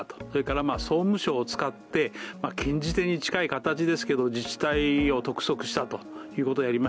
それから総務省を使って禁じ手に近い形ですけど自治体を督促したと。